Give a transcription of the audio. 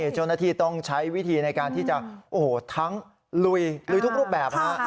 เจ้าหน้าที่ต้องใช้วิธีในการที่จะทั้งลุยลุยทุกรูปแบบฮะ